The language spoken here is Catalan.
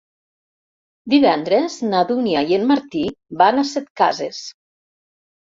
Divendres na Dúnia i en Martí van a Setcases.